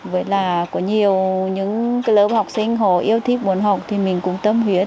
với là có nhiều những lớp học sinh họ yêu thích muốn học thì mình cũng tâm huyết